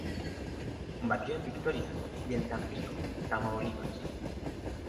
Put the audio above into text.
Combatió en Victoria y en Tampico, Tamaulipas.